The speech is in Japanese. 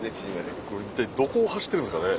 一体どこを走ってるんですかね？